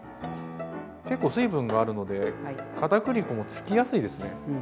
結構水分があるのでかたくり粉もつきやすいですね。